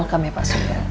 welcome ya pak surya